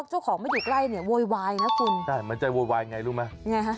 เขาก็เป็นเพื่อนที่ดีที่สุดของเรา